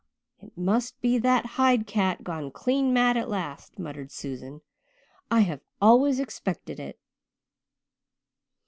"It must be that Hyde cat gone clean mad at last," muttered Susan. "I have always expected it."